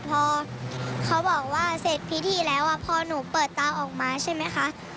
พอเขาบอกว่าเสร็จพิธีแล้วพอหนูเปิดตาออกมาใช่ไหมคะ